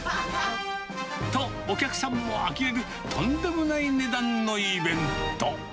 と、お客さんもあきれるとんでもない値段のイベント。